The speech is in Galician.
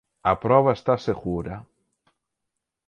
A proba está segura.